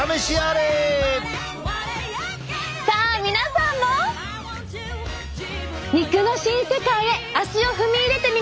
さあ皆さんも肉の新世界へ足を踏み入れてみませんか？